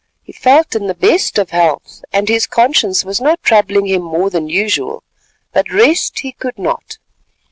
He felt in the best of health, and his conscience was not troubling him more than usual, but rest he could not.